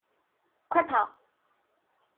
快跑！